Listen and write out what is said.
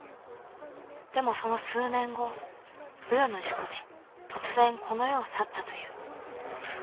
でもその数年後不慮の事故で突然この世を去ったという。